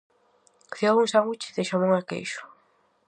Ceou un sándwich de xamón e queixo.